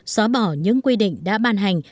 xóa bỏ những quy định đã ban hành